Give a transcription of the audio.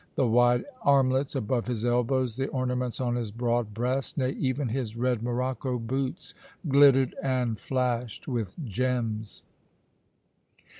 The wide armlets above his elbows, the ornaments on his broad breast, nay, even his red morocco boots, glittered and flashed with gems.